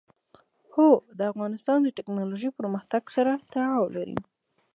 هوا د افغانستان د تکنالوژۍ پرمختګ سره تړاو لري.